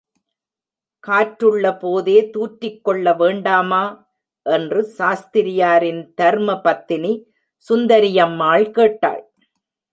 காற்றுள்ள போதே தூற்றிக் கொள்ள வேண்டாமா? என்று சாஸ்திரியாரின் தர்மபத்தினி சுந்தரியம்மாள் கேட்டாள்.